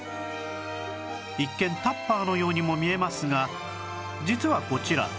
一見タッパーのようにも見えますが実はこちら